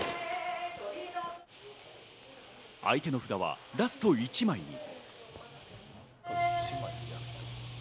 相手の札はラスト１枚に。